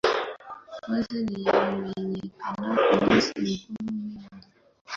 maze ntiyamenyekana. Mu minsi mikuru nk'iyo,